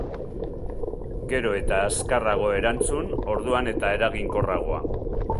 Gero eta azkarrago erantzun, orduan eta eraginkorragoa.